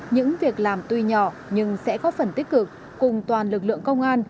những việc làm tuy nhỏ nhưng sẽ có phần tích cực cùng toàn lực lượng công an